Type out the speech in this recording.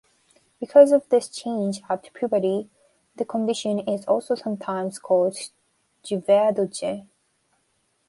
Because of this change at puberty, the condition is also sometimes called guevedoche.